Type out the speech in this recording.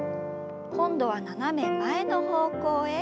今度は斜め前の方向へ。